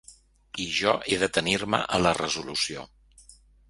I jo he d’atenir-me a la resolució.